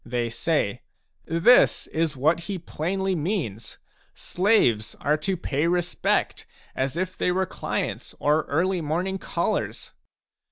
They say :" This is what he plainly means : slaves are to pay respect as if they were clients or early morning callers